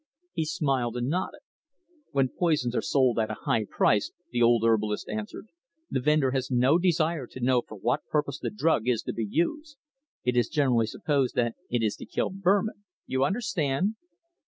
He smiled and nodded. "When poisons are sold at a high price," the old herbalist answered, "the vendor has no desire to know for what purpose the drug is to be used. It is generally supposed that it is to kill vermin you understand."